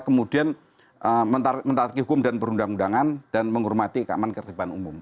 kemudian mentaati hukum dan perundang undangan dan menghormati keamanan ketertiban umum